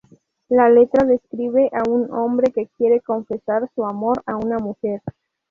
La letra describe a un hombre que quiere confesar su amor a una mujer.